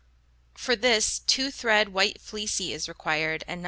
For this, two thread white fleecy is required, and No.